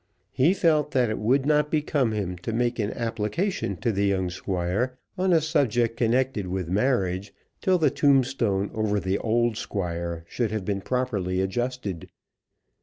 He felt that it would not become him to make an application to the young Squire on a subject connected with marriage, till the tombstone over the old Squire should have been properly adjusted.